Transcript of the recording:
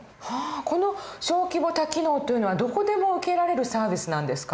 この小規模多機能というのはどこでも受けられるサービスなんですか？